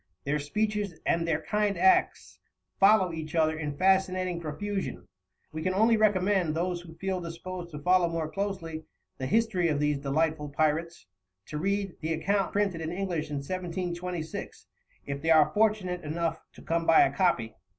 Their speeches and their kind acts follow each other in fascinating profusion. We can only recommend those who feel disposed to follow more closely the history of these delightful pirates, to read the account printed in English in 1726, if they are fortunate enough to come by a copy.